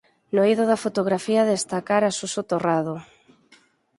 No eido da fotografía destacar a Suso Torrado.